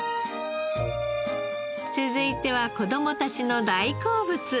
続いては子供たちの大好物！